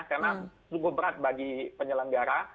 karena sungguh berat bagi penyelenggara